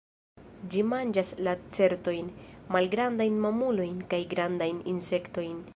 Ĝi manĝas lacertojn, malgrandajn mamulojn kaj grandajn insektojn.